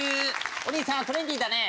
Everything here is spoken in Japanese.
お兄さんトレンディだね。